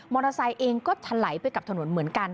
ไซค์เองก็ถลายไปกับถนนเหมือนกัน